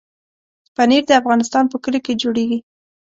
پنېر د افغانستان په کلیو کې جوړېږي.